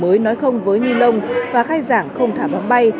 một năm học mới nói không với ni lông và gai giảng không thả băng bay